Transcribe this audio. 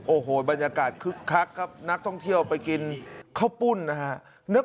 โอ้โหบรรยากาศคึกคักครับนักท่องเที่ยวไปกินข้าวปุ้นนะฮะ